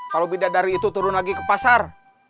kalau beda dari itu turun lagi ke pasar